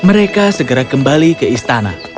mereka segera kembali ke istana